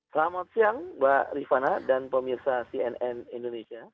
selamat siang mbak rifana dan pemirsa cnn indonesia